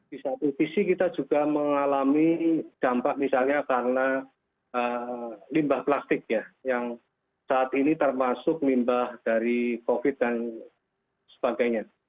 di satu sisi kita juga mengalami dampak misalnya karena limbah plastik ya yang saat ini termasuk limbah dari covid dan sebagainya